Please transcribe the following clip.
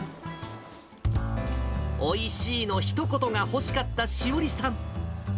おいしいのひと言が欲しかった詩織さん。